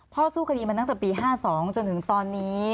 สู้คดีมาตั้งแต่ปี๕๒จนถึงตอนนี้